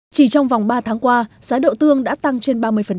chỉ trong vòng ba tháng qua giá độ tương đã tăng trên ba mươi